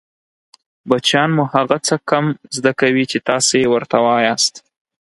بچیان مو هغه څه کم زده کوي چې تاسې يې ورته وایاست